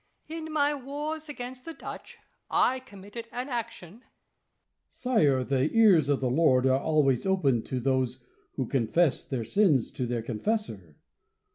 In my wars against the Dutch I committed an action La Chaise. Sire, the ears of the Lord are always open to those who confess their sins to their confessor.